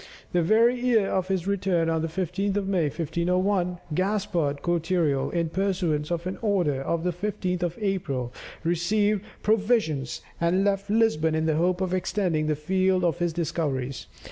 The very year of his return, on the 15th of May, 1501, Gaspard Cortereal, in pursuance of an order of the 15th of April, received provisions, and left Lisbon in the hope of extending the field of his discoveries.